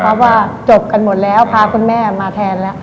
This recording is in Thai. เพราะว่าจบกันหมดแล้วพาคุณแม่มาแทนแล้ว